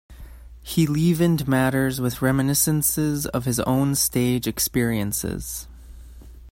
He leavened matters with reminiscences of his own stage experiences.